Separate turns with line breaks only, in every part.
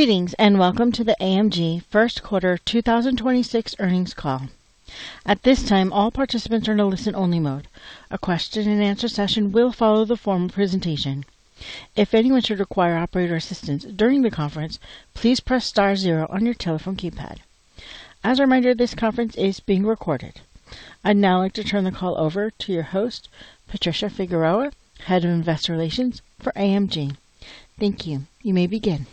I'd now like to turn the call over to your host, Patricia Figueroa, Head of Investor Relations for AMG. Thank you. You may begin.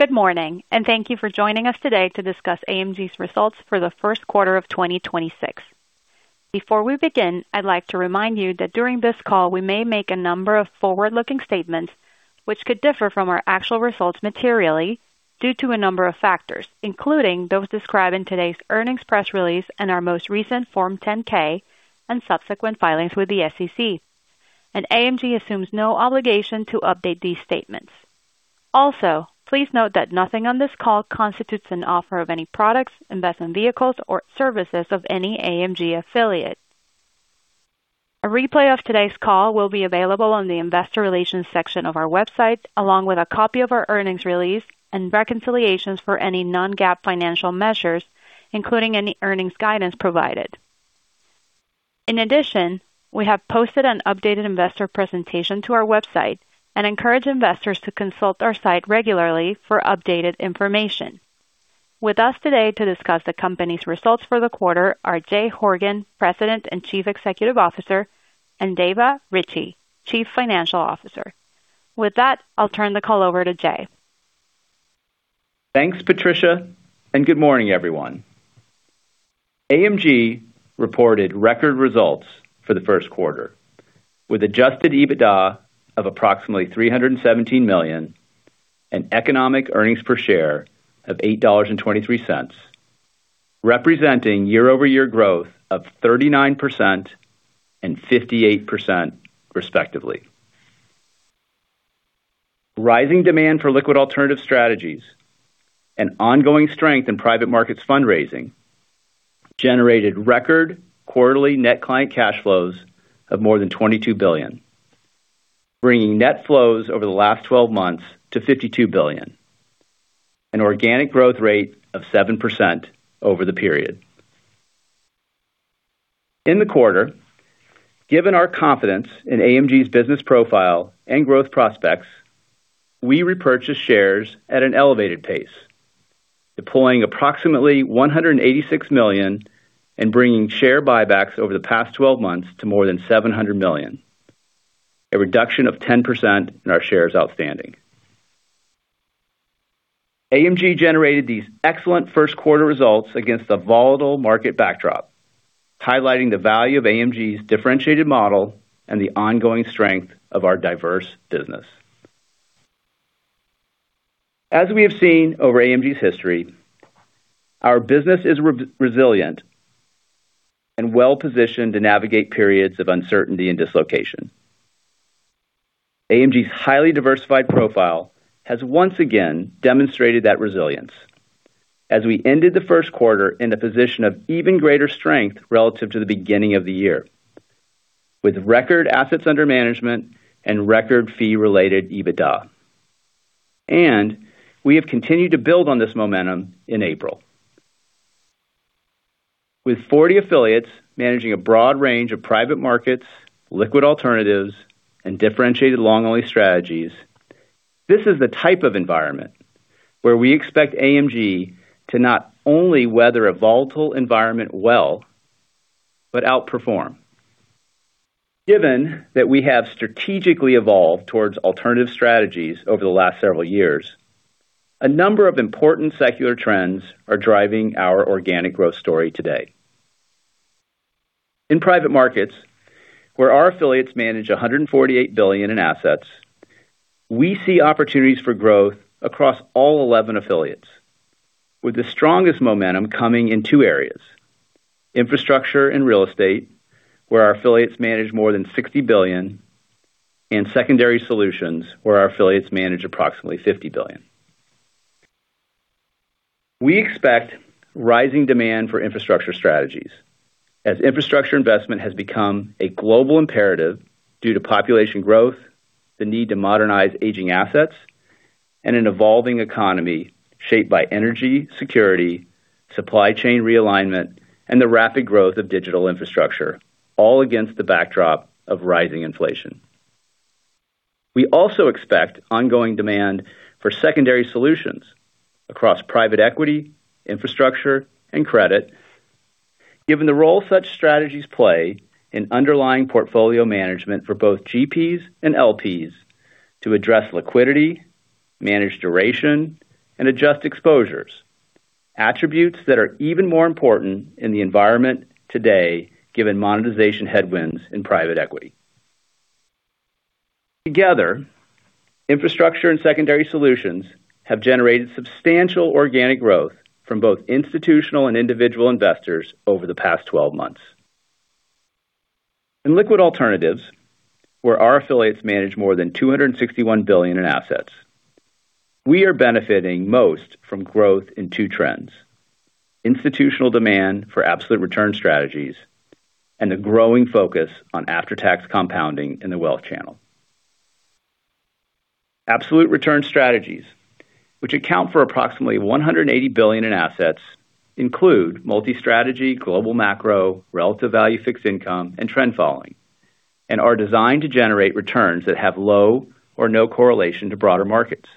Good morning. Thank you for joining us today to discuss AMG's results for the first quarter of 2026. Before we begin, I'd like to remind you that during this call, we may make a number of forward-looking statements which could differ from our actual results materially due to a number of factors, including those described in today's earnings press release and our most recent Form 10-K and subsequent filings with the SEC. AMG assumes no obligation to update these statements. Also, please note that nothing on this call constitutes an offer of any products, investment vehicles, or services of any AMG affiliate. A replay of today's call will be available on the investor relations section of our website, along with a copy of our earnings release and reconciliations for any non-GAAP financial measures, including any earnings guidance provided. In addition, we have posted an updated investor presentation to our website and encourage investors to consult our site regularly for updated information. With us today to discuss the company's results for the quarter are Jay Horgen, President and Chief Executive Officer, and Dava Ritchea, Chief Financial Officer. I'll turn the call over to Jay.
Thanks, Patricia. Good morning, everyone. AMG reported record results for the first quarter, with Adjusted EBITDA of approximately $317 million and Economic earnings per share of $8.23, representing year-over-year growth of 39% and 58% respectively. Rising demand for liquid alternative strategies and ongoing strength in private markets fundraising generated record quarterly net client cash flows of more than $22 billion, bringing net flows over the last 12 months to $52 billion, an organic growth rate of 7% over the period. In the quarter, given our confidence in AMG's business profile and growth prospects, we repurchased shares at an elevated pace, deploying approximately $186 million and bringing share buybacks over the past 12 months to more than $700 million, a reduction of 10% in our shares outstanding. AMG generated these excellent first quarter results against a volatile market backdrop, highlighting the value of AMG's differentiated model and the ongoing strength of our diverse business. As we have seen over AMG's history, our business is resilient and well-positioned to navigate periods of uncertainty and dislocation. AMG's highly diversified profile has once again demonstrated that resilience as we ended the first quarter in a position of even greater strength relative to the beginning of the year, with record assets under management and record fee-related EBITDA. We have continued to build on this momentum in April. With 40 affiliates managing a broad range of private markets, liquid alternatives, and differentiated long-only strategies, this is the type of environment where we expect AMG to not only weather a volatile environment well but outperform. Given that we have strategically evolved towards alternative strategies over the last several years, a number of important secular trends are driving our organic growth story today. In private markets, where our affiliates manage $148 billion in assets, we see opportunities for growth across all 11 affiliates, with the strongest momentum coming in two areas, infrastructure and real estate, where our affiliates manage more than $60 billion, and secondary solutions, where our affiliates manage approximately $50 billion. We expect rising demand for infrastructure strategies as infrastructure investment has become a global imperative due to population growth, the need to modernize aging assets, and an evolving economy shaped by energy security, supply chain realignment, and the rapid growth of digital infrastructure, all against the backdrop of rising inflation. We also expect ongoing demand for secondary solutions across private equity, infrastructure, and credit, given the role such strategies play in underlying portfolio management for both GPs and LPs to address liquidity, manage duration, and adjust exposures, attributes that are even more important in the environment today given monetization headwinds in private equity. Together, infrastructure and secondary solutions have generated substantial organic growth from both institutional and individual investors over the past 12 months. In liquid alternatives, where our affiliates manage more than $261 billion in assets, we are benefiting most from growth in two trends. Institutional demand for absolute return strategies and the growing focus on after-tax compounding in the wealth channel. Absolute return strategies, which account for approximately $180 billion in assets, include multi-strategy, global macro, relative value fixed income, and trend following, and are designed to generate returns that have low or no correlation to broader markets.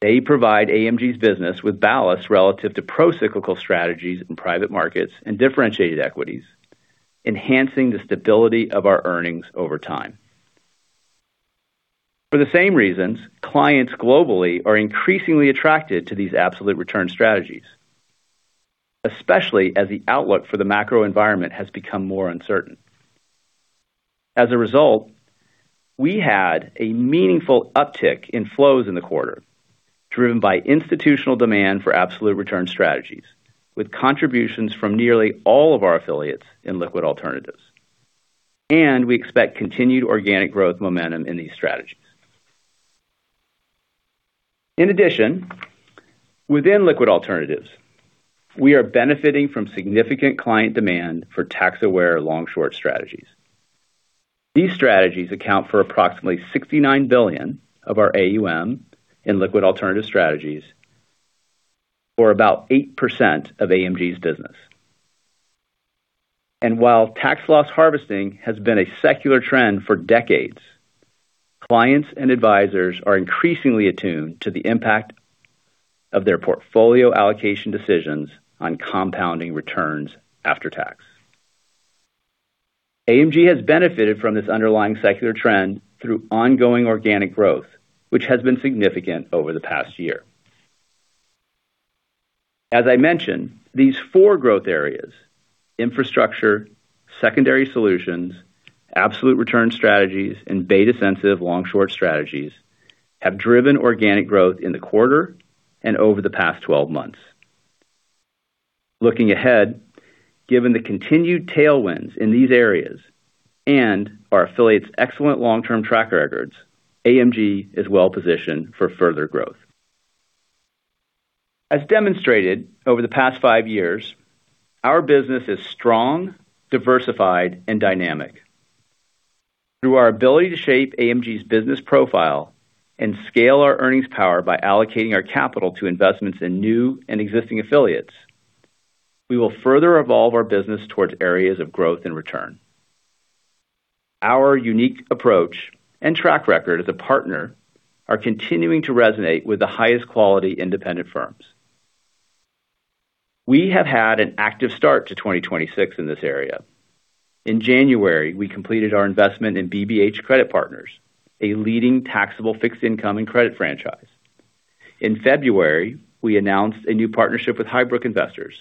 They provide AMG's business with ballast relative to pro-cyclical strategies in private markets and differentiated equities, enhancing the stability of our earnings over time. For the same reasons, clients globally are increasingly attracted to these absolute return strategies, especially as the outlook for the macro environment has become more uncertain. As a result, we had a meaningful uptick in flows in the quarter, driven by institutional demand for absolute return strategies, with contributions from nearly all of our affiliates in liquid alternatives. We expect continued organic growth momentum in these strategies. In addition, within liquid alternatives, we are benefiting from significant client demand for tax-aware long-short strategies. These strategies account for approximately $69 billion of our AUM in liquid alternative strategies, or about 8% of AMG's business. While tax-loss harvesting has been a secular trend for decades, clients and advisors are increasingly attuned to the impact of their portfolio allocation decisions on compounding returns after tax. AMG has benefited from this underlying secular trend through ongoing organic growth, which has been significant over the past year. As I mentioned, these 4 growth areas, infrastructure, secondary solutions, absolute return strategies, and beta-sensitive long-short strategies, have driven organic growth in the quarter and over the past 12 months. Looking ahead, given the continued tailwinds in these areas and our affiliates' excellent long-term track records, AMG is well-positioned for further growth. As demonstrated over the past five years, our business is strong, diversified, and dynamic. Through our ability to shape AMG's business profile and scale our earnings power by allocating our capital to investments in new and existing affiliates, we will further evolve our business towards areas of growth and return. Our unique approach and track record as a partner are continuing to resonate with the highest quality independent firms. We have had an active start to 2026 in this area. In January, we completed our investment in BBH Credit Partners, a leading taxable fixed income and credit franchise. In February, we announced a new partnership with HighBrook Investors,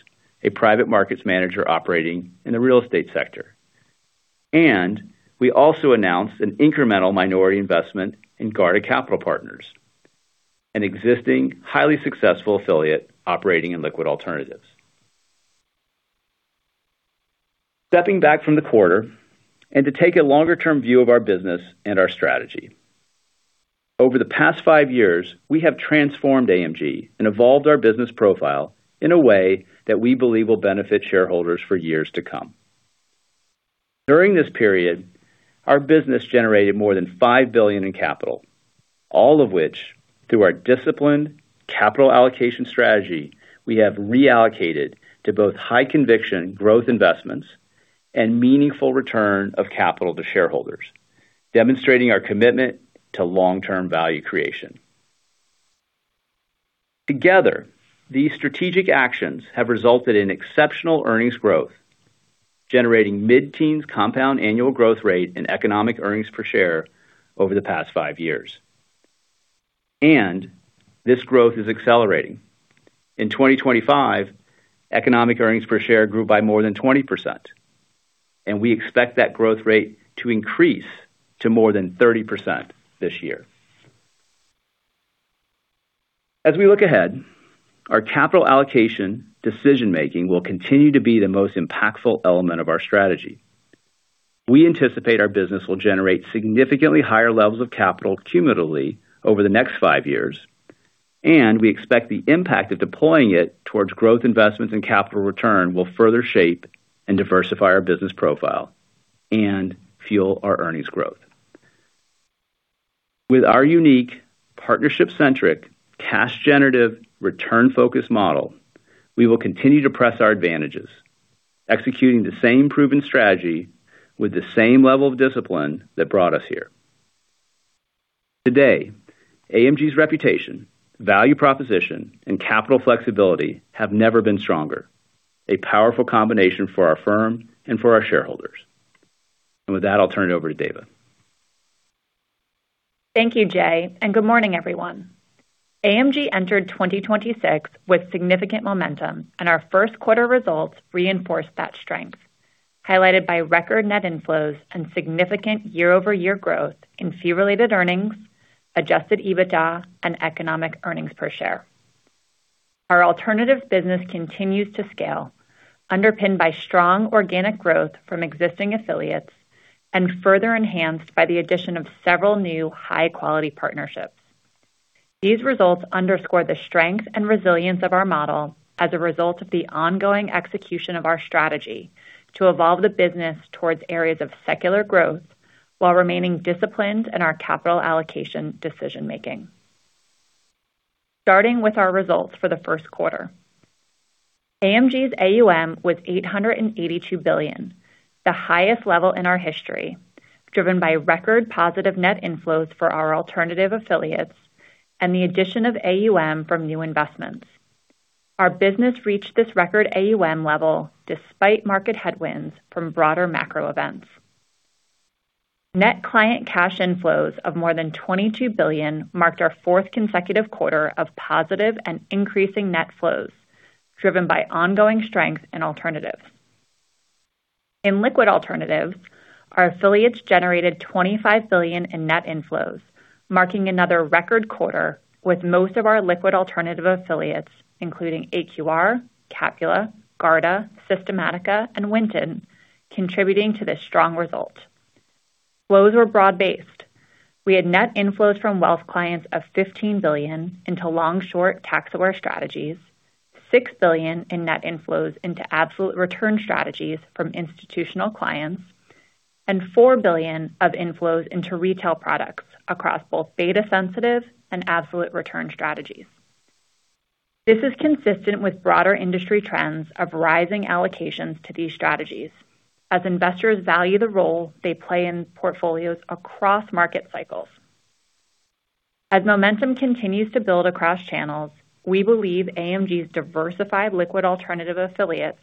a private markets manager operating in the real estate sector. We also announced an incremental minority investment in Garda Capital Partners, an existing highly successful affiliate operating in liquid alternatives. Stepping back from the quarter and to take a longer term view of our business and our strategy. Over the past five years, we have transformed AMG and evolved our business profile in a way that we believe will benefit shareholders for years to come. During this period, our business generated more than $5 billion in capital, all of which, through our disciplined capital allocation strategy, we have reallocated to both high conviction growth investments and meaningful return of capital to shareholders, demonstrating our commitment to long-term value creation. Together, these strategic actions have resulted in exceptional earnings growth, generating mid-teens compound annual growth rate and economic earnings per share over the past five years. This growth is accelerating. In 2025, economic earnings per share grew by more than 20%, and we expect that growth rate to increase to more than 30% this year. As we look ahead, our capital allocation decision-making will continue to be the most impactful element of our strategy. We anticipate our business will generate significantly higher levels of capital cumulatively over the next five years, and we expect the impact of deploying it towards growth investments and capital return will further shape and diversify our business profile and fuel our earnings growth. With our unique partnership-centric, cash-generative, return-focused model, we will continue to press our advantages, executing the same proven strategy with the same level of discipline that brought us here. Today, AMG's reputation, value proposition, and capital flexibility have never been stronger. A powerful combination for our firm and for our shareholders. With that, I'll turn it over to Dava.
Thank you, Jay, and good morning, everyone. AMG entered 2026 with significant momentum. Our first quarter results reinforced that strength, highlighted by record net inflows and significant year-over-year growth in Fee-Related Earnings, Adjusted EBITDA, and economic earnings per share. Our alternatives business continues to scale, underpinned by strong organic growth from existing affiliates and further enhanced by the addition of several new high-quality partnerships. These results underscore the strength and resilience of our model as a result of the ongoing execution of our strategy to evolve the business towards areas of secular growth while remaining disciplined in our capital allocation decision-making. Starting with our results for the first quarter, AMG's AUM was $882 billion, the highest level in our history, driven by record positive net inflows for our alternative affiliates and the addition of AUM from new investments. Our business reached this record AUM level despite market headwinds from broader macro events. Net client cash inflows of more than $22 billion marked our fourth consecutive quarter of positive and increasing net flows, driven by ongoing strength and alternatives. In liquid alternatives, our affiliates generated $25 billion in net inflows, marking another record quarter with most of our liquid alternative affiliates, including AQR, Capula, Garda, Systematica, and Winton, contributing to this strong result. Flows were broad-based. We had net inflows from wealth clients of $15 billion into long short tax-aware strategies, $6 billion in net inflows into absolute return strategies from institutional clients, and $4 billion of inflows into retail products across both beta sensitive and absolute return strategies. This is consistent with broader industry trends of rising allocations to these strategies as investors value the role they play in portfolios across market cycles. As momentum continues to build across channels, we believe AMG's diversified liquid alternative affiliates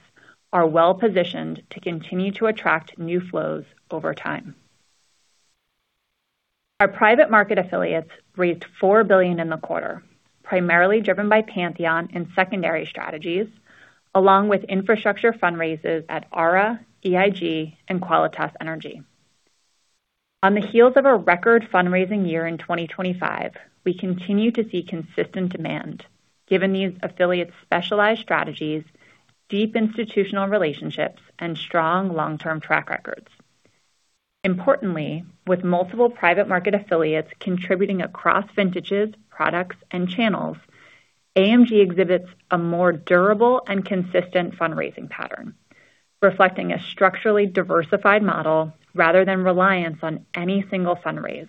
are well-positioned to continue to attract new flows over time. Our private market affiliates raised $4 billion in the quarter, primarily driven by Pantheon and secondary strategies, along with infrastructure fundraises at Ara, EIG, and Qualitas Energy. On the heels of a record fundraising year in 2025, we continue to see consistent demand given these affiliates' specialized strategies, deep institutional relationships, and strong long-term track records. Importantly, with multiple private market affiliates contributing across vintages, products, and channels, AMG exhibits a more durable and consistent fundraising pattern, reflecting a structurally diversified model rather than reliance on any single fundraise,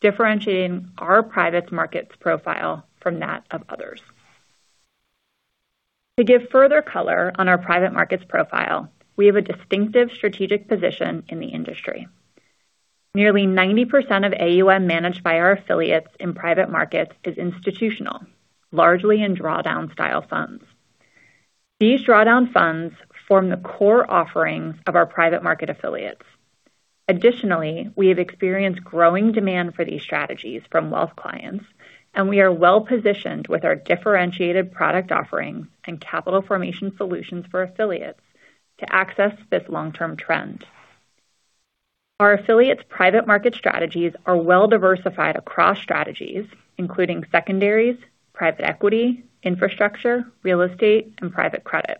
differentiating our private markets profile from that of others. To give further color on our private markets profile, we have a distinctive strategic position in the industry. Nearly 90% of AUM managed by our affiliates in private markets is institutional, largely in drawdown style funds. These drawdown funds form the core offerings of our private market affiliates. Additionally, we have experienced growing demand for these strategies from wealth clients, and we are well-positioned with our differentiated product offerings and capital formation solutions for affiliates to access this long-term trend. Our affiliates' private market strategies are well diversified across strategies, including secondaries, private equity, infrastructure, real estate, and private credit.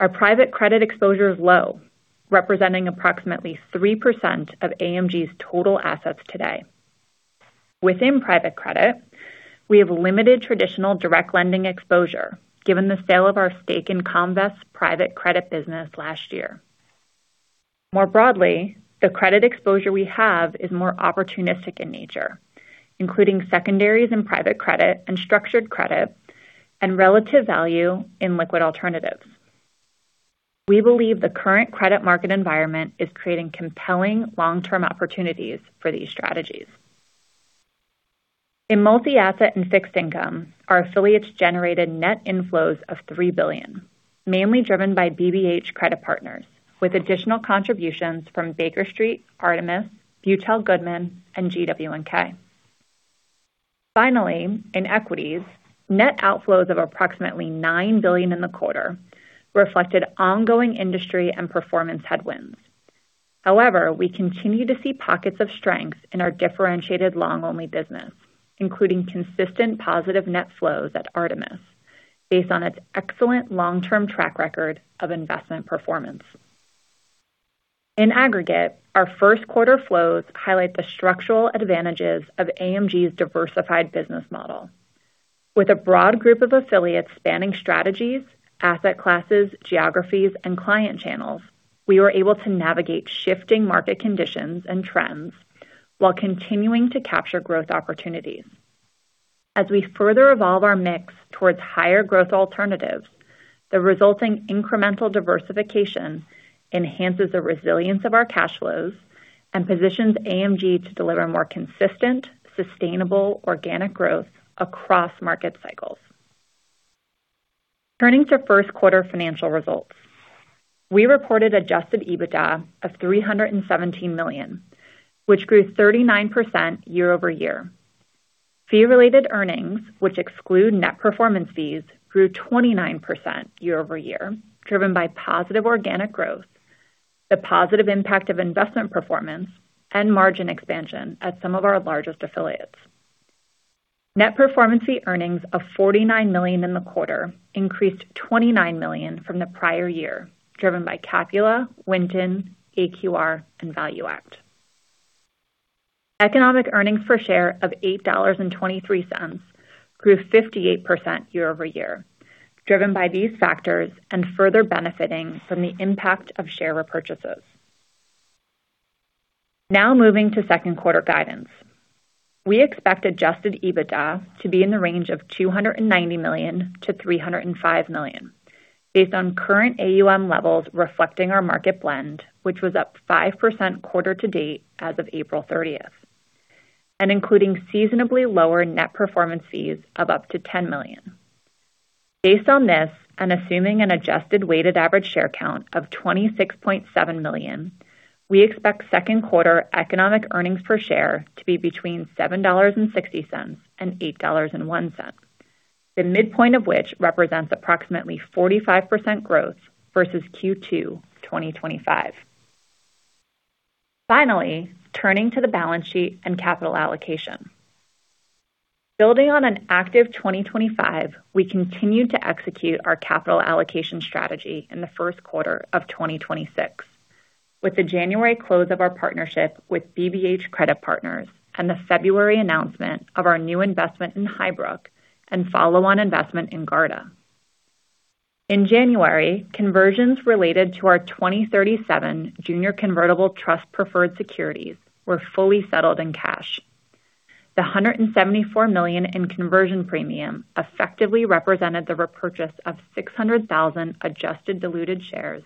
Our private credit exposure is low, representing approximately 3% of AMG's total assets today. Within private credit, we have limited traditional direct lending exposure given the sale of our stake in Comvest's private credit business last year. More broadly, the credit exposure we have is more opportunistic in nature, including secondaries in private credit and structured credit and relative value in liquid alternatives. We believe the current credit market environment is creating compelling long-term opportunities for these strategies. In multi-asset and fixed income, our affiliates generated net inflows of $3 billion, mainly driven by BBH Credit Partners, with additional contributions from Baker Street, Artemis, Beutel Goodman, and GW&K. Finally, in equities, net outflows of approximately $9 billion in the quarter reflected ongoing industry and performance headwinds. However, we continue to see pockets of strength in our differentiated long-only business, including consistent positive net flows at Artemis based on its excellent long-term track record of investment performance. In aggregate, our first quarter flows highlight the structural advantages of AMG's diversified business model. With a broad group of affiliates spanning strategies, asset classes, geographies, and client channels, we were able to navigate shifting market conditions and trends while continuing to capture growth opportunities. As we further evolve our mix towards higher growth alternatives, the resulting incremental diversification enhances the resilience of our cash flows and positions AMG to deliver more consistent, sustainable organic growth across market cycles. Turning to first quarter financial results. We reported Adjusted EBITDA of $317 million, which grew 39% year-over-year. Fee-Related Earnings, which exclude Net Performance Fees, grew 29% year-over-year, driven by positive organic growth, the positive impact of investment performance, and margin expansion at some of our largest affiliates. Net Performance Fee earnings of $49 million in the quarter increased $29 million from the prior year, driven by Capula, Winton, AQR and ValueAct. Economic earnings per share of $8.23 grew 58% year-over-year, driven by these factors and further benefiting from the impact of share repurchases. Moving to second quarter guidance. We expect Adjusted EBITDA to be in the range of $290 million-$305 million based on current AUM levels reflecting our market blend, which was up 5% quarter-to-date as of April 30th. Including seasonably lower Net Performance Fees of up to $10 million. Based on this, and assuming an adjusted weighted average share count of 26.7 million, we expect second quarter Economic earnings per share to be between $7.60 and $8.01. The midpoint of which represents approximately 45% growth versus Q2 2025. Finally, turning to the balance sheet and capital allocation. Building on an active 2025, we continue to execute our capital allocation strategy in the first quarter of 2026. With the January close of our partnership with BBH Credit Partners and the February announcement of our new investment in HighBrook and follow-on investment in Garda. In January, conversions related to our 2037 junior convertible trust preferred securities were fully settled in cash. The $174 million in conversion premium effectively represented the repurchase of 600,000 adjusted diluted shares,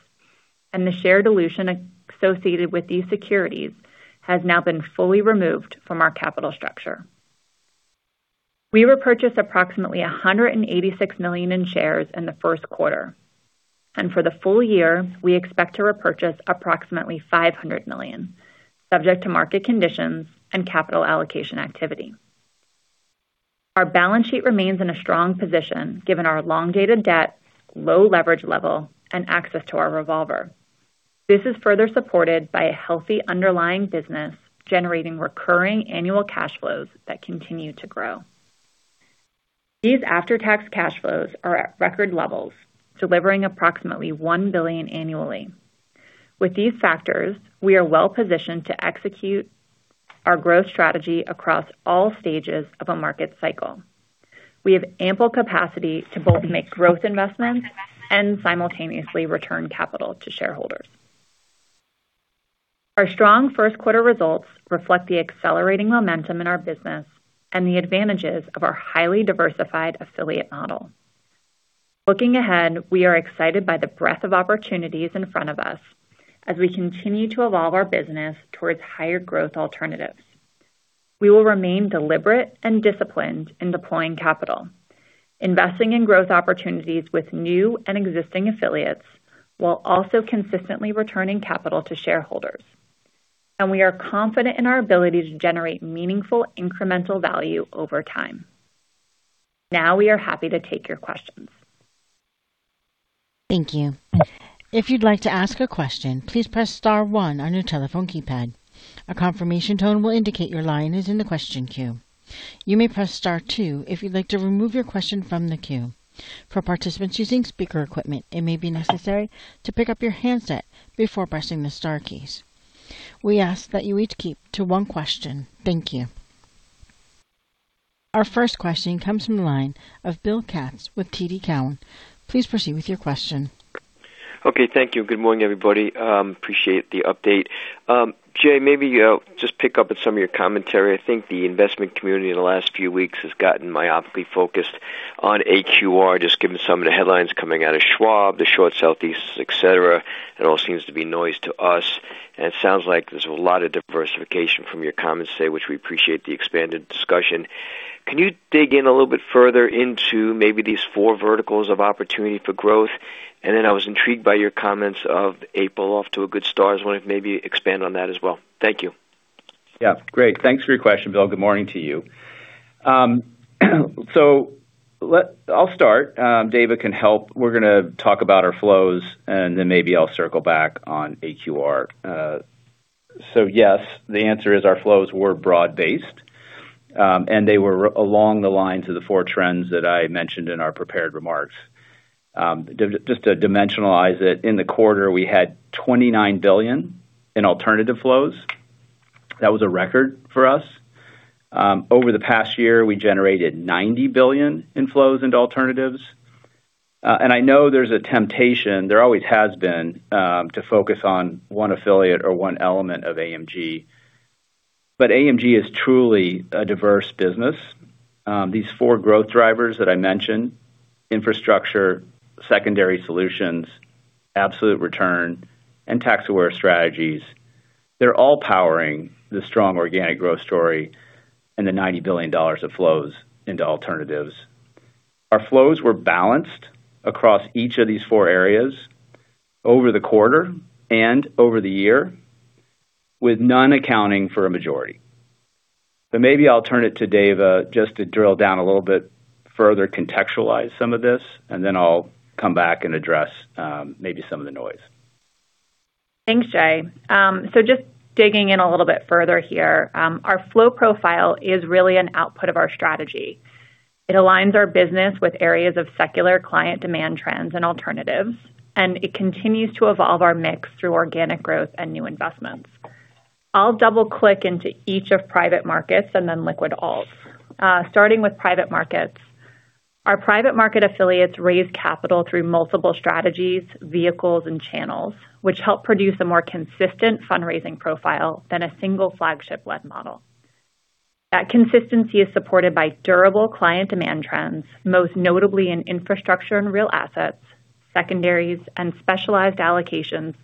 and the share dilution associated with these securities has now been fully removed from our capital structure. We repurchased approximately $186 million in shares in the first quarter. For the full year, we expect to repurchase approximately $500 million, subject to market conditions and capital allocation activity. Our balance sheet remains in a strong position given our long-dated debt, low leverage level, and access to our revolver. This is further supported by a healthy underlying business generating recurring annual cash flows that continue to grow. These after-tax cash flows are at record levels, delivering approximately $1 billion annually. With these factors, we are well-positioned to execute our growth strategy across all stages of a market cycle. We have ample capacity to both make growth investments and simultaneously return capital to shareholders. Our strong first quarter results reflect the accelerating momentum in our business and the advantages of our highly diversified affiliate model. Looking ahead, we are excited by the breadth of opportunities in front of us as we continue to evolve our business towards higher growth alternatives. We will remain deliberate and disciplined in deploying capital, investing in growth opportunities with new and existing affiliates, while also consistently returning capital to shareholders. We are confident in our ability to generate meaningful incremental value over time. We are happy to take your questions.
Thank you. If you'd like to ask a question please press star one on your telephone keypad. A confirmation tone will indicate your line is in the question queue. You may press star two if you'd like to remove your question from the queue. For participant using speaker equipment it may be necessary to pick up your handset before pressing the star keys. We ask the you will keep to one question, thank you. Our first question comes from the line of Bill Katz with TD Cowen. Please proceed with your question.
Okay. Thank you. Good morning, everybody. Appreciate the update. Jay, maybe, just pick up at some of your commentary. I think the investment community in the last few weeks has gotten myopically focused on AQR, just given some of the headlines coming out of Schwab, the short interest, et cetera. It all seems to be noise to us. It sounds like there's a lot of diversification from your comments today, which we appreciate the expanded discussion. Can you dig in a little bit further into maybe these four verticals of opportunity for growth? I was intrigued by your comments of April off to a good start as well. Maybe expand on that as well. Thank you.
Great. Thanks for your question, Bill. Good morning to you. I'll start. Dava can help. We're gonna talk about our flows and then maybe I'll circle back on AQR. Yes, the answer is our flows were broad-based, and they were along the lines of the four trends that I mentioned in our prepared remarks. Just to dimensionalize it, in the quarter, we had $29 billion in alternative flows. That was a record for us. Over the past year, we generated $90 billion in flows into alternatives. I know there's a temptation, there always has been, to focus on one affiliate or one element of AMG, but AMG is truly a diverse business. These four growth drivers that I mentioned, infrastructure, secondary solutions, absolute return, and tax-aware strategies, they're all powering the strong organic growth story and the $90 billion of flows into alternatives. Our flows were balanced across each of these four areas over the quarter and over the year, with none accounting for a majority. Maybe I'll turn it to Dava just to drill down a little bit further, contextualize some of this, and then I'll come back and address, maybe some of the noise.
Thanks, Jay. Just digging in a little bit further here. Our flow profile is really an output of our strategy. It aligns our business with areas of secular client demand trends and alternatives, and it continues to evolve our mix through organic growth and new investments. I'll double-click into each of private markets and then liquid alts. Starting with private markets. Our private market affiliates raise capital through multiple strategies, vehicles, and channels, which help produce a more consistent fundraising profile than a single flagship-led model. That consistency is supported by durable client demand trends, most notably in infrastructure and real assets, secondaries and specialized allocations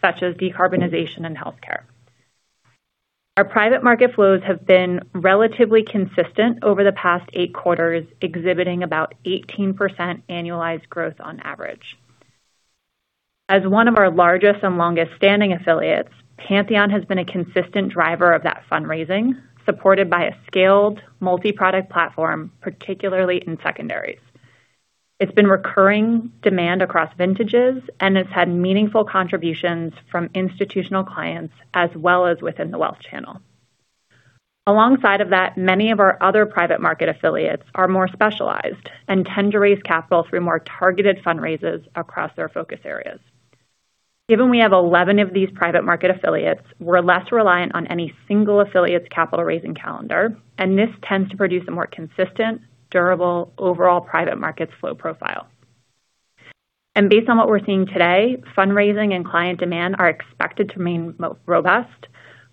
such as decarbonization and healthcare. Our private market flows have been relatively consistent over the past eight quarters, exhibiting about 18% annualized growth on average. As one of our largest and longest-standing affiliates, Pantheon has been a consistent driver of that fundraising, supported by a scaled multi-product platform, particularly in secondaries. It's been recurring demand across vintages, and it's had meaningful contributions from institutional clients as well as within the wealth channel. Alongside of that, many of our other private market affiliates are more specialized and tend to raise capital through more targeted fundraisers across their focus areas. Given we have 11 of these private market affiliates, we're less reliant on any single affiliate's capital-raising calendar. This tends to produce a more consistent, durable overall private markets flow profile. Based on what we're seeing today, fundraising and client demand are expected to remain robust,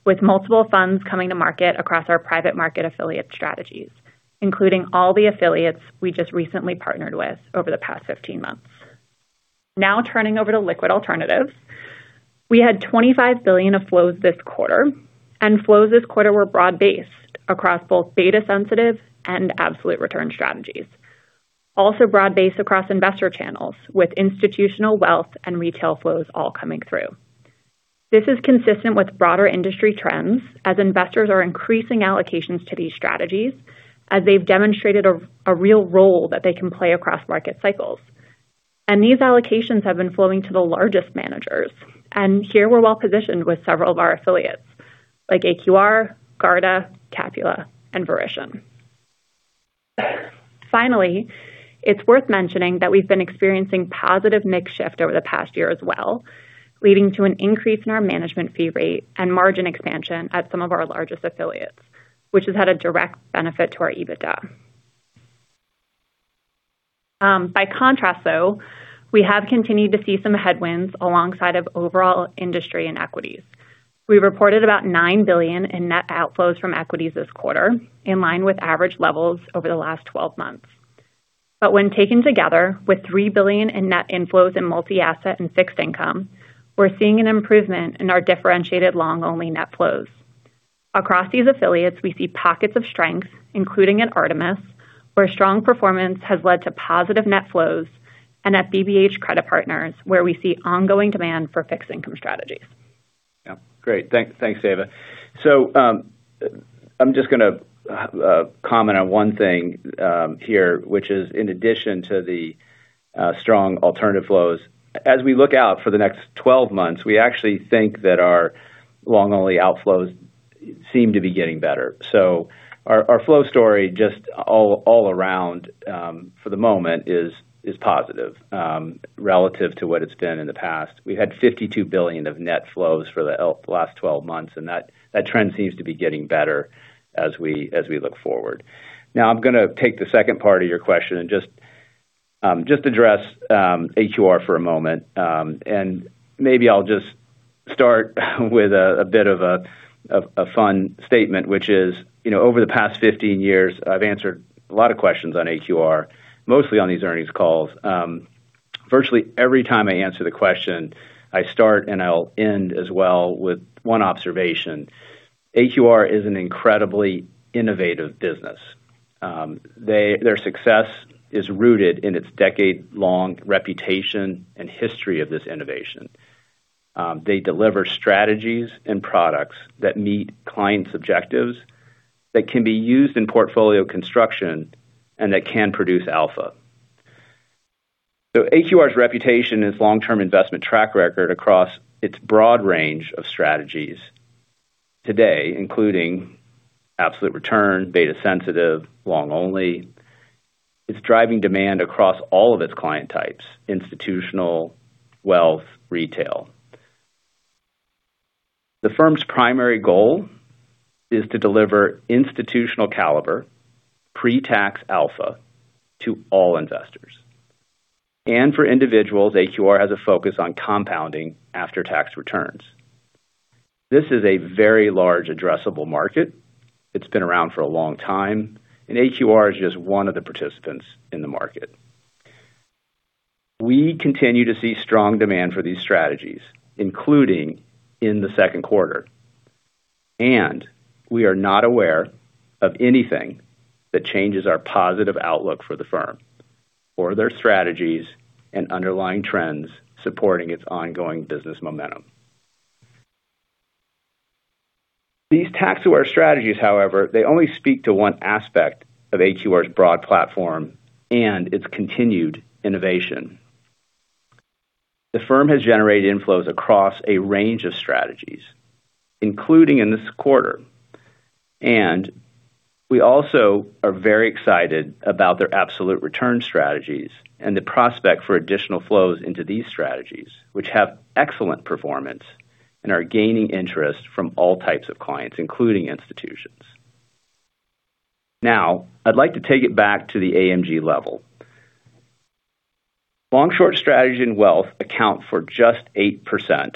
with multiple funds coming to market across our private market affiliate strategies, including all the affiliates we just recently partnered with over the past 15 months. Turning over to liquid alternatives. We had $25 billion of flows this quarter. Flows this quarter were broad-based across both beta sensitive and absolute return strategies. Broad-based across investor channels with institutional wealth and retail flows all coming through. This is consistent with broader industry trends as investors are increasing allocations to these strategies as they've demonstrated a real role that they can play across market cycles. These allocations have been flowing to the largest managers. Here we're well-positioned with several of our affiliates like AQR, Garda, Capula, and Verition. Finally, it's worth mentioning that we've been experiencing positive mix shift over the past year as well, leading to an increase in our management fee rate and margin expansion at some of our largest affiliates, which has had a direct benefit to our EBITDA. By contrast, though, we have continued to see some headwinds alongside of overall industry and equities. We reported about $9 billion in net outflows from equities this quarter, in line with average levels over the last 12 months. When taken together with $3 billion in net inflows in multi-asset and fixed income, we're seeing an improvement in our differentiated long-only net flows. Across these affiliates, we see pockets of strength, including at Artemis, where strong performance has led to positive net flows, and at BBH Credit Partners, where we see ongoing demand for fixed income strategies.
Yeah. Great. Thanks, Dava. I'm just going to comment on one thing here, which is in addition to the strong alternative flows. As we look out for the next 12 months, we actually think that our long-only outflows seem to be getting better. Our flow story just all around for the moment is positive relative to what it's been in the past. We had $52 billion of net flows for the last 12 months, and that trend seems to be getting better as we look forward. I'm going to take the second part of your question and just address AQR for a moment. Maybe I'll just start with a bit of a fun statement, which is, you know, over the past 15 years, I've answered a lot of questions on AQR, mostly on these earnings calls. Virtually every time I answer the question, I start, and I'll end as well with one observation. AQR is an incredibly innovative business. Their success is rooted in its decade-long reputation and history of this innovation. They deliver strategies and products that meet clients' objectives, that can be used in portfolio construction and that can produce alpha. AQR's reputation and its long-term investment track record across its broad range of strategies today, including absolute return, beta sensitive, long only. It's driving demand across all of its client types, institutional, wealth, retail. The firm's primary goal is to deliver institutional caliber pre-tax alpha to all investors. For individuals, AQR has a focus on compounding after-tax returns. This is a very large addressable market. It has been around for a long time, and AQR is just one of the participants in the market. We continue to see strong demand for these strategies, including in the second quarter. We are not aware of anything that changes our positive outlook for the firm or their strategies and underlying trends supporting its ongoing business momentum. These tax aware strategies, however, they only speak to one aspect of AQR's broad platform and its continued innovation. The firm has generated inflows across a range of strategies, including in this quarter. We also are very excited about their absolute return strategies and the prospect for additional flows into these strategies, which have excellent performance and are gaining interest from all types of clients, including institutions. I'd like to take it back to the AMG level. Long-short strategy and wealth account for just 8%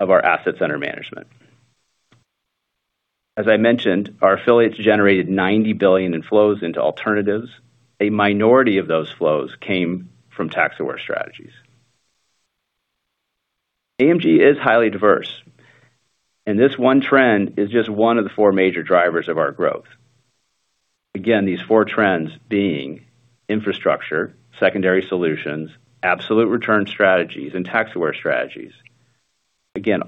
of our assets under management. As I mentioned, our affiliates generated $90 billion in flows into alternatives. A minority of those flows came from tax-aware strategies. AMG is highly diverse, this one trend is just one of the four major drivers of our growth. Again, these four trends being infrastructure, credit secondaries, absolute return strategies, and tax-aware strategies. Again,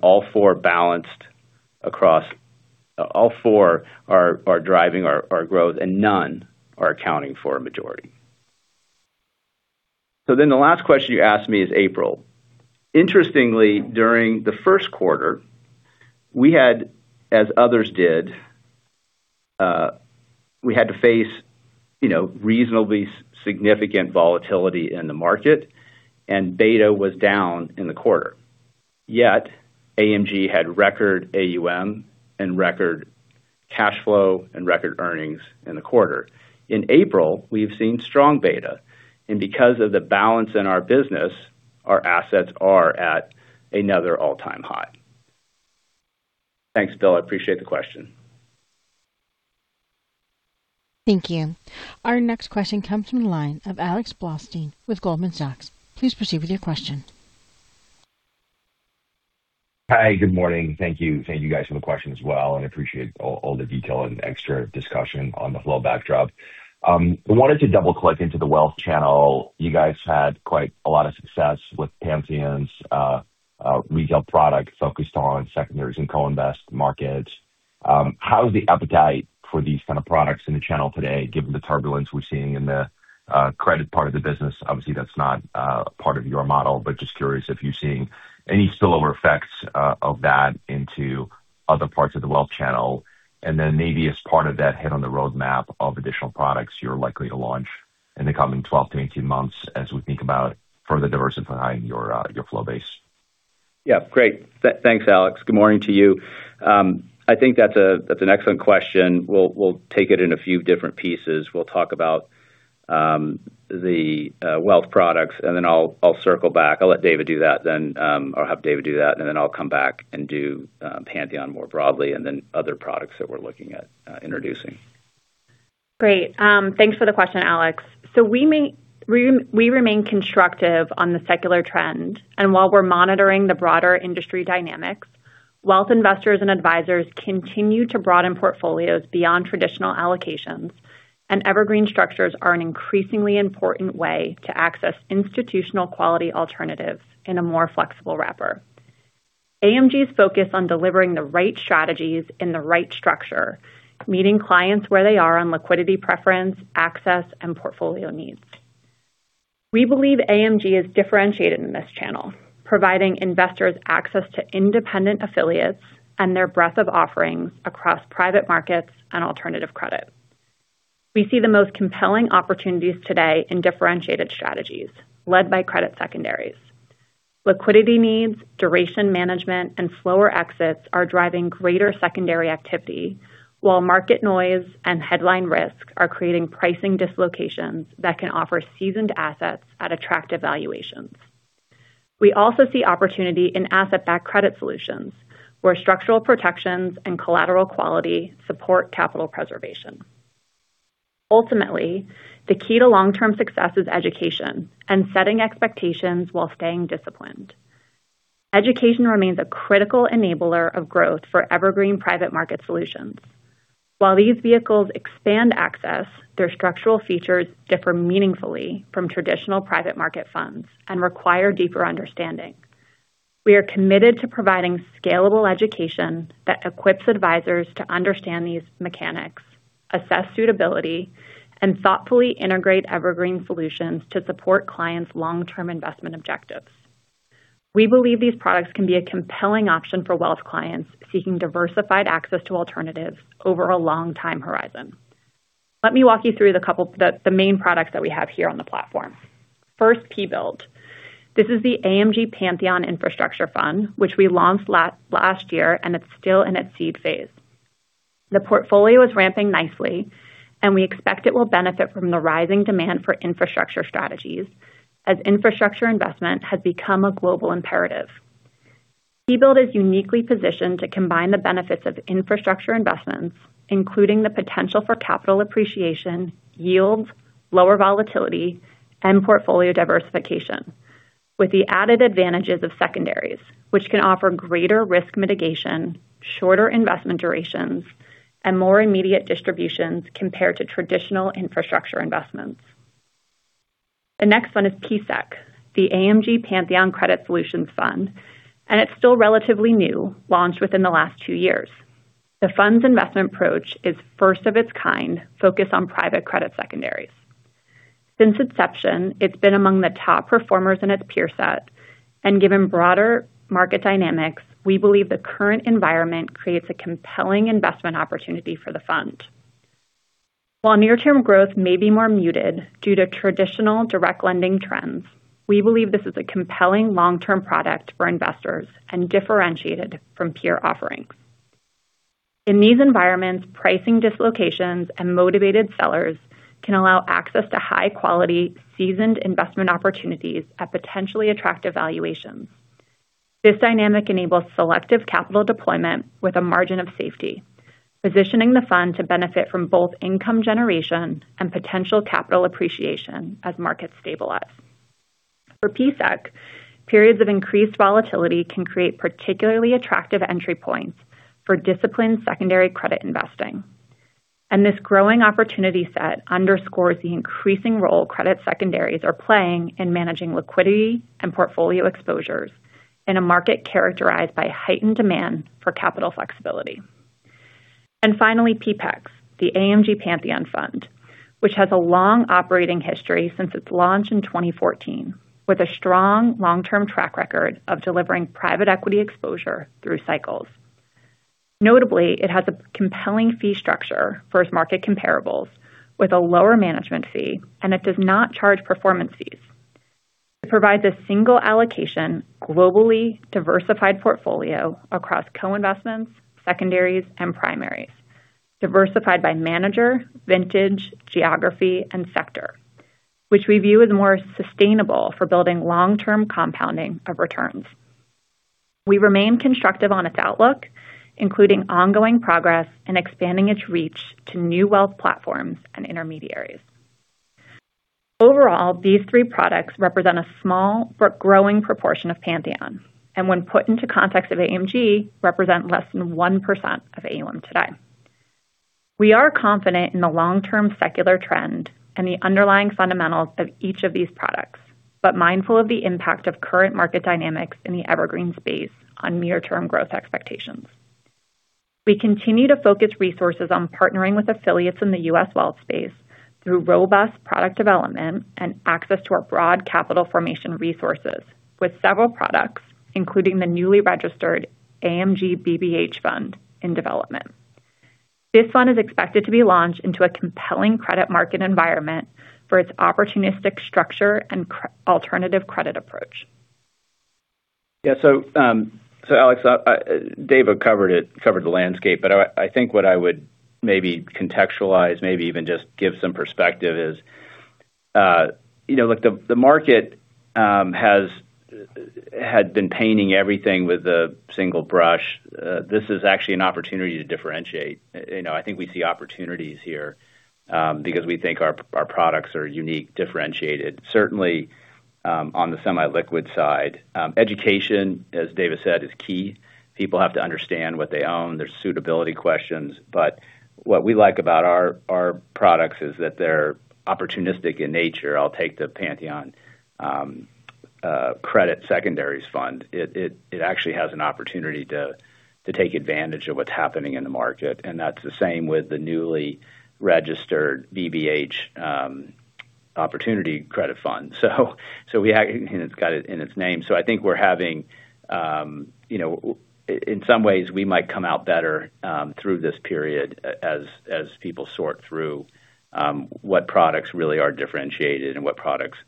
all four are driving our growth, none are accounting for a majority. The last question you asked me is April. Interestingly, during the first quarter, we had, as others did, we had to face, you know, reasonably significant volatility in the market, beta was down in the quarter. AMG had record AUM and record cash flow and record earnings in the quarter. In April, we've seen strong beta, and because of the balance in our business, our assets are at another all-time high. Thanks, Bill. I appreciate the question.
Thank you. Our next question comes from the line of Alex Blostein with Goldman Sachs. Please proceed with your question.
Hi. Good morning. Thank you. Thank you guys for the question as well, and appreciate all the detail and extra discussion on the flow backdrop. Wanted to double-click into the wealth channel. You guys had quite a lot of success with Pantheon's retail product focused on secondaries and co-invest markets. How is the appetite for these kind of products in the channel today, given the turbulence we're seeing in the credit part of the business? Obviously, that's not part of your model, but just curious if you're seeing any spillover effects of that into other parts of the wealth channel. Maybe as part of that hit on the roadmap of additional products you're likely to launch in the coming 12-18 months as we think about further diversifying your flow base.
Yeah. Great. Thanks, Alex. Good morning to you. I think that's an excellent question. We'll take it in a few different pieces. We'll talk about the wealth products, and then I'll circle back. I'll let Dava do that then. I'll have Dava do that, and then I'll come back and do Pantheon more broadly and then other products that we're looking at introducing.
Great. Thanks for the question, Alex. We remain constructive on the secular trend. While we're monitoring the broader industry dynamics, wealth investors and advisors continue to broaden portfolios beyond traditional allocations, evergreen structures are an increasingly important way to access institutional quality alternatives in a more flexible wrapper. AMG's focus on delivering the right strategies in the right structure, meeting clients where they are on liquidity preference, access, and portfolio needs. We believe AMG is differentiated in this channel, providing investors access to independent affiliates and their breadth of offerings across private markets and alternative credit. We see the most compelling opportunities today in differentiated strategies led by credit secondaries. Liquidity needs, duration management, and slower exits are driving greater secondary activity, while market noise and headline risks are creating pricing dislocations that can offer seasoned assets at attractive valuations. We also see opportunity in asset-backed credit solutions, where structural protections and collateral quality support capital preservation. Ultimately, the key to long-term success is education and setting expectations while staying disciplined. Education remains a critical enabler of growth for evergreen private market solutions. While these vehicles expand access, their structural features differ meaningfully from traditional private market funds and require deeper understanding. We are committed to providing scalable education that equips advisors to understand these mechanics, assess suitability, and thoughtfully integrate evergreen solutions to support clients' long-term investment objectives. We believe these products can be a compelling option for wealth clients seeking diversified access to alternatives over a long time horizon. Let me walk you through the main products that we have here on the platform. First, P-BUILD. This is the AMG Pantheon Infrastructure Fund, which we launched last year, and it is still in its seed phase. The portfolio is ramping nicely, and we expect it will benefit from the rising demand for infrastructure strategies as infrastructure investment has become a global imperative. P-BUILD is uniquely positioned to combine the benefits of infrastructure investments, including the potential for capital appreciation, yields, lower volatility, and portfolio diversification, with the added advantages of secondaries, which can offer greater risk mitigation, shorter investment durations, and more immediate distributions compared to traditional infrastructure investments. The next one is P-SECC, the AMG Pantheon Credit Solutions Fund, and it is still relatively new, launched within the last two years. The fund's investment approach is first of its kind, focused on private credit secondaries. Since inception, it has been among the top performers in its peer set. Given broader market dynamics, we believe the current environment creates a compelling investment opportunity for the fund. While near-term growth may be more muted due to traditional direct lending trends, we believe this is a compelling long-term product for investors and differentiated from peer offerings. In these environments, pricing dislocations and motivated sellers can allow access to high-quality, seasoned investment opportunities at potentially attractive valuations. This dynamic enables selective capital deployment with a margin of safety, positioning the fund to benefit from both income generation and potential capital appreciation as markets stabilize. For P-SECC, periods of increased volatility can create particularly attractive entry points for disciplined secondary credit investing. This growing opportunity set underscores the increasing role credit secondaries are playing in managing liquidity and portfolio exposures in a market characterized by heightened demand for capital flexibility. Finally, P-PEXX, the AMG Pantheon Fund, which has a long operating history since its launch in 2014, with a strong long-term track record of delivering private equity exposure through cycles. Notably, it has a compelling fee structure versus market comparables with a lower management fee, and it does not charge performance fees. It provides a single allocation, globally diversified portfolio across co-investments, secondaries, and primaries. Diversified by manager, vintage, geography, and sector, which we view as more sustainable for building long-term compounding of returns. We remain constructive on its outlook, including ongoing progress in expanding its reach to new wealth platforms and intermediaries. Overall, these three products represent a small but growing proportion of Pantheon, and when put into context of AMG, represent less than 1% of AUM today. We are confident in the long-term secular trend and the underlying fundamentals of each of these products, but mindful of the impact of current market dynamics in the evergreen space on near-term growth expectations. We continue to focus resources on partnering with affiliates in the U.S. wealth space through robust product development and access to our broad capital formation resources with several products, including the newly registered AMG BBH Fund in development. This fund is expected to be launched into a compelling credit market environment for its opportunistic structure and alternative credit approach.
Yeah. Alex, Dava covered it, covered the landscape, but I think what I would maybe contextualize, maybe even just give some perspective is, you know, look, the market has had been painting everything with a single brush. This is actually an opportunity to differentiate. You know, I think we see opportunities here because we think our products are unique, differentiated, certainly, on the semi-liquid side. Education, as Dava said, is key. People have to understand what they own. There's suitability questions. What we like about our products is that they're opportunistic in nature. I'll take the AMG Pantheon Credit Solutions Fund. It actually has an opportunity to take advantage of what's happening in the market, and that's the same with the newly registered BBH Opportunity Credit Fund. It's got it in its name. I think we're having, you know. In some ways, we might come out better through this period as people sort through what products really are differentiated and what products,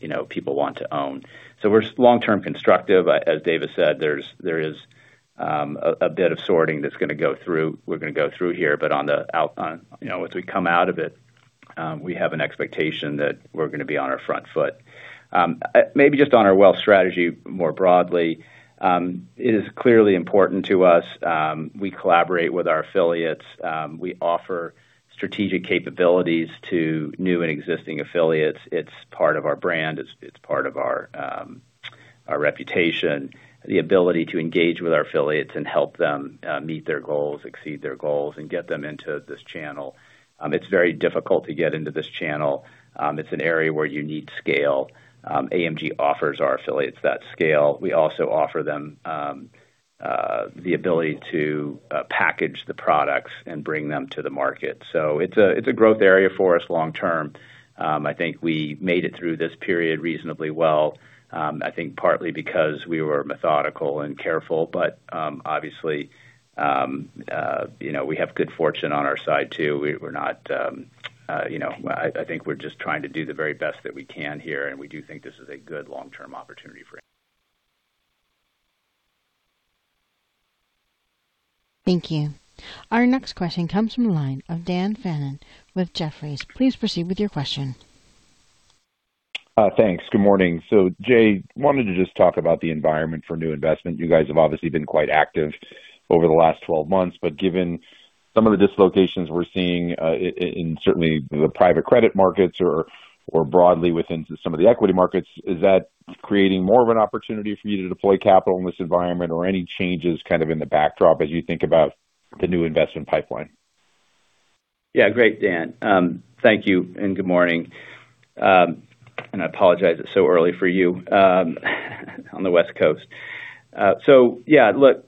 you know, people want to own. We're long-term constructive. As Dava said, there is a bit of sorting we're gonna go through here. On, you know, as we come out of it, we have an expectation that we're gonna be on our front foot. Maybe just on our wealth strategy more broadly, it is clearly important to us. We collaborate with our affiliates. We offer strategic capabilities to new and existing affiliates. It's part of our brand. It's part of our reputation, the ability to engage with our affiliates and help them meet their goals, exceed their goals, and get them into this channel. It's very difficult to get into this channel. It's an area where you need scale. AMG offers our affiliates that scale. We also offer them the ability to package the products and bring them to the market. It's a, it's a growth area for us long term. I think we made it through this period reasonably well, I think partly because we were methodical and careful. Obviously, you know, we have good fortune on our side too. We're not, you know. I think we're just trying to do the very best that we can here, and we do think this is a good long-term opportunity.
Thank you. Our next question comes from the line of Dan Fannon with Jefferies. Please proceed with your question.
Thanks. Good morning. Jay, wanted to just talk about the environment for new investment. You guys have obviously been quite active over the last 12 months. Given some of the dislocations we're seeing, in certainly the private credit markets or broadly within some of the equity markets, is that creating more of an opportunity for you to deploy capital in this environment or any changes kind of in the backdrop as you think about the new investment pipeline?
Yeah. Great, Dan. Thank you, and good morning. I apologize it's so early for you on the West Coast. Look,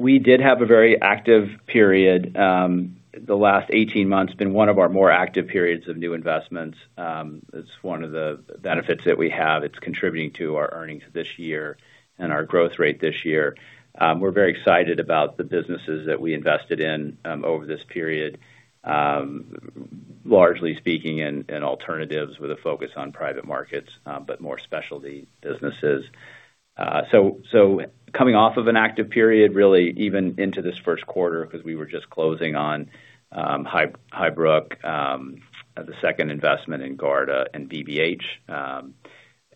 we did have a very active period, the last 18 months, been one of our more active periods of new investments. It's one of the benefits that we have. It's contributing to our earnings this year and our growth rate this year. We're very excited about the businesses that we invested in over this period. Largely speaking in alternatives with a focus on private markets, but more specialty businesses. Coming off of an active period, really even into this first quarter, because we were just closing on HighBrook, the second investment in Garda and BBH.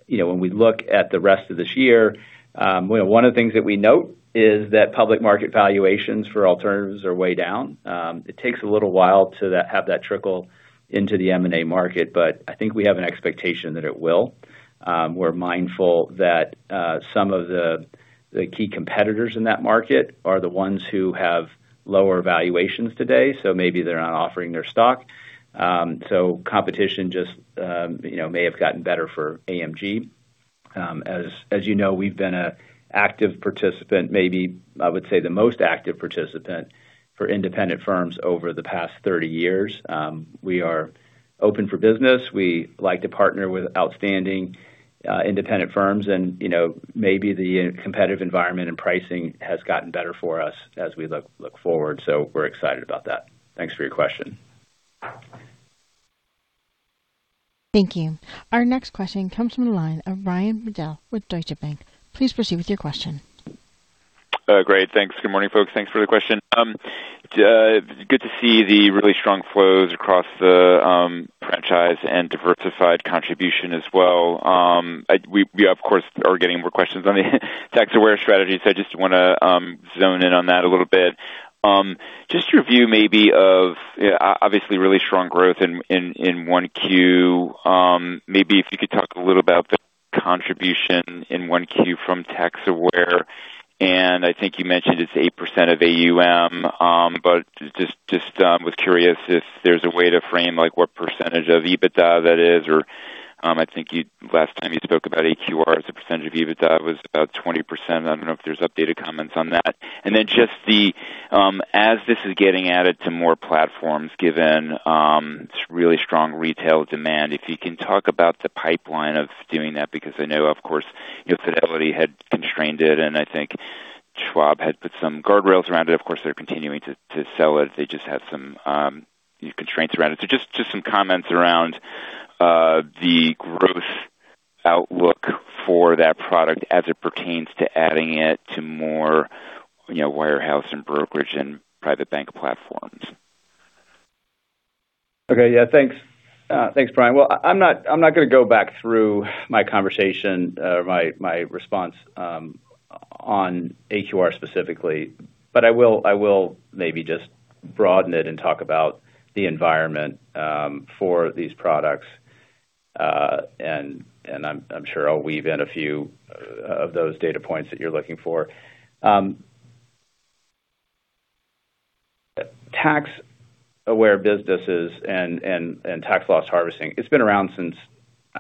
You know, when we look at the rest of this year, you know, one of the things that we note is that public market valuations for alternatives are way down. It takes a little while to have that trickle into the M&A market, but I think we have an expectation that it will. We're mindful that some of the key competitors in that market are the ones who have lower valuations today, so maybe they're not offering their stock. Competition just, you know, may have gotten better for AMG. As you know, we've been an active participant, maybe I would say the most active participant, for independent firms over the past 30 years. We are open for business. We like to partner with outstanding, independent firms and, you know, maybe the competitive environment and pricing has gotten better for us as we look forward. We're excited about that. Thanks for your question.
Thank you. Our next question comes from the line of Brian Bedell with Deutsche Bank. Please proceed with your question.
Great, thanks. Good morning, folks. Thanks for the question. Good to see the really strong flows across the franchise and diversified contribution as well. We of course, are getting more questions on the tax-aware strategies. I just wanna zone in on that a little bit. Just your view maybe of obviously really strong growth in 1Q. Maybe if you could talk a little about the contribution in 1Q from tax aware. I think you mentioned it's 8% of AUM. Just was curious if there's a way to frame, like, what percentage of EBITDA that is or, I think last time you spoke about AQR as a percentage of EBITDA was about 20%. I don't know if there's updated comments on that. As this is getting added to more platforms, given really strong retail demand, if you can talk about the pipeline of doing that, because I know, of course, you know, Fidelity had constrained it, and I think Schwab had put some guardrails around it. Of course, they're continuing to sell it. They just have some, you know, constraints around it. Just some comments around the growth outlook for that product as it pertains to adding it to more, you know, wirehouse and brokerage and private bank platforms.
Okay. Yeah, thanks. Thanks, Brian. Well, I'm not gonna go back through my conversation, my response on AQR specifically, but I will maybe just broaden it and talk about the environment for these products. I'm sure I'll weave in a few of those data points that you're looking for. Tax-aware businesses and tax loss harvesting, it's been around since,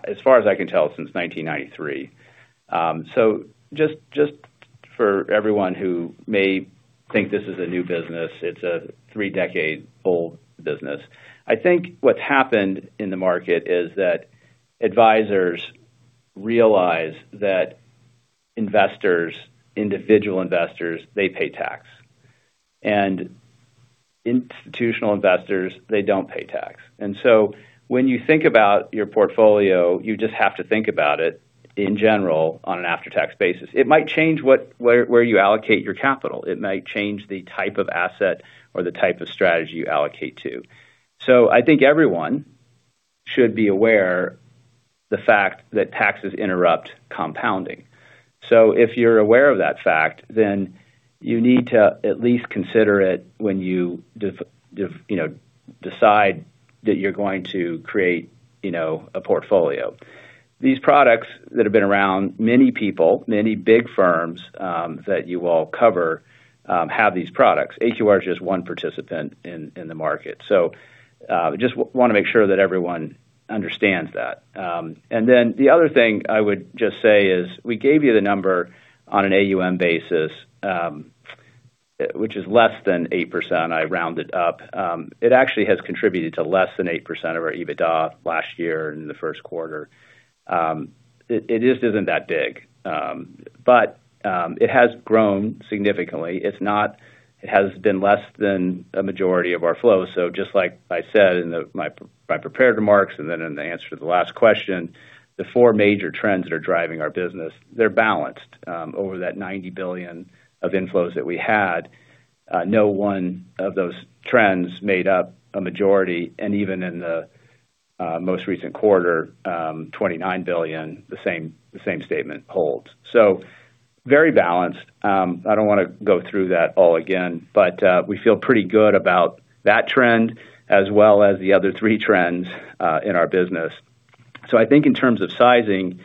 as far as I can tell, since 1993. Just for everyone who may think this is a new business, it's a three-decade-old business. I think what's happened in the market is that advisors realize that investors, individual investors, they pay tax. Institutional investors, they don't pay tax. When you think about your portfolio, you just have to think about it in general on an after-tax basis. It might change what where you allocate your capital. It might change the type of asset or the type of strategy you allocate to. I think everyone should be aware the fact that taxes interrupt compounding. If you're aware of that fact, then you need to at least consider it when you know, decide that you're going to create, you know, a portfolio. These products that have been around many people, many big firms, that you all cover, have these products. AQR is just one participant in the market. Just wanna make sure that everyone understands that. Then the other thing I would just say is we gave you the number on an AUM basis, which is less than 8%. I rounded up. It actually has contributed to less than 8% of our EBITDA last year in the first quarter. It just isn't that big. It has grown significantly. It has been less than a majority of our flow. Just like I said in my prepared remarks and then in the answer to the last question, the four major trends that are driving our business, they're balanced. Over that $90 billion of inflows that we had, no one of those trends made up a majority. Even in the most recent quarter, $29 billion, the same statement holds. Very balanced. I don't wanna go through that all again. We feel pretty good about that trend as well as the other 3 trends in our business. I think in terms of sizing,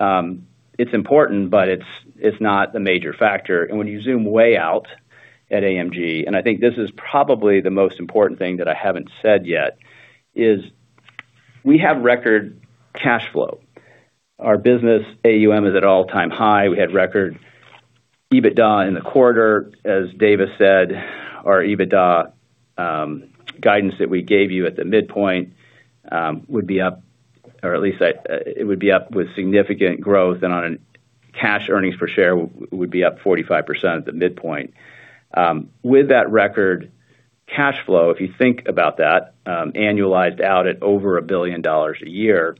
it's important, but it's not the major factor. When you zoom way out at AMG, and I think this is probably the most important thing that I haven't said yet, is we have record cash flow. Our business AUM is at all-time high. We had record EBITDA in the quarter. As Dava said, our EBITDA guidance that we gave you at the midpoint would be up, or at least it would be up with significant growth and on a cash earnings per share would be up 45% at the midpoint. With that record cash flow, if you think about that, annualized out at over $1 billion a year,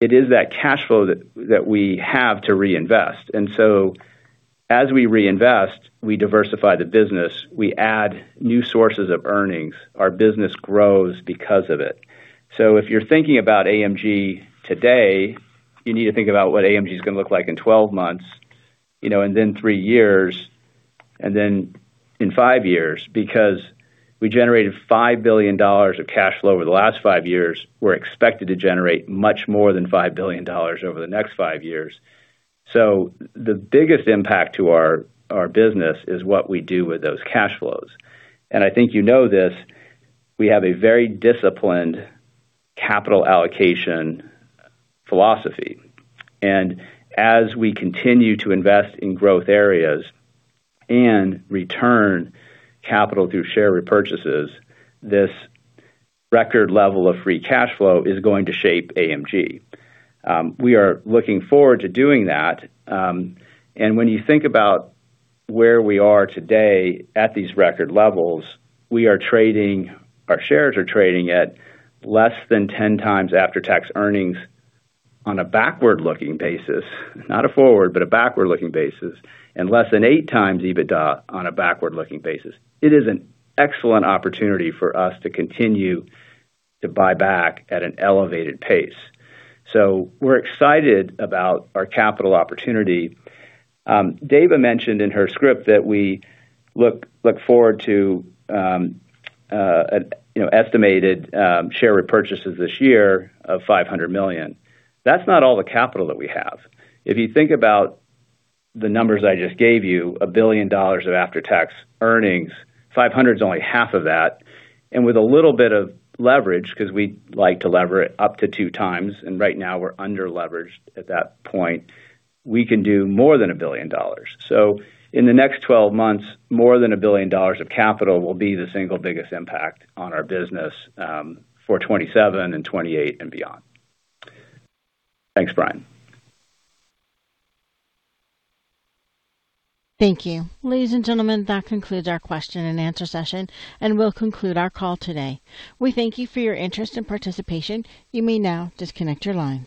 it is that cash flow that we have to reinvest. As we reinvest, we diversify the business. We add new sources of earnings. Our business grows because of it. If you're thinking about AMG today, you need to think about what AMG is gonna look like in 12 months, you know, and then three years and then in five years, because we generated $5 billion of cash flow over the last five years. We're expected to generate much more than $5 billion over the next five years. The biggest impact to our business is what we do with those cash flows. I think you know this, we have a very disciplined capital allocation philosophy. As we continue to invest in growth areas and return capital through share repurchases, this record level of free cash flow is going to shape AMG. We are looking forward to doing that. When you think about where we are today at these record levels, our shares are trading at less than 10x after-tax earnings on a backward-looking basis, not a forward, but a backward-looking basis, and less than 8x EBITDA on a backward-looking basis. It is an excellent opportunity for us to continue to buy back at an elevated pace. We're excited about our capital opportunity. Dava mentioned in her script that we look forward to estimated share repurchases this year of $500 million. That's not all the capital that we have. If you think about the numbers I just gave you, $1 billion of after-tax earnings, $500 million's only half of that. With a little bit of leverage, 'cause we like to lever it up to 2x, and right now we're under-leveraged at that point, we can do more than $1 billion. In the next 12 months, more than $1 billion of capital will be the single biggest impact on our business for 2027 and 2028 and beyond. Thanks, Brian.
Thank you. Ladies and gentlemen, that concludes our question-and-answer session and will conclude our call today. We thank you for your interest and participation. You may now disconnect your lines.